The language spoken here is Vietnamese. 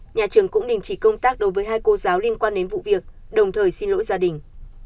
nhà trường cũng đình chỉ công tác đối với hai cô giáo liên quan đến vụ việc đồng thời xin lỗi gia đình